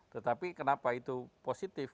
tetapi kenapa itu positif